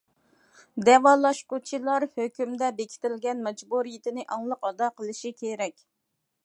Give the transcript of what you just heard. دەۋالاشقۇچىلار ھۆكۈمدە بېكىتىلگەن مەجبۇرىيىتىنى ئاڭلىق ئادا قىلىشى كېرەك.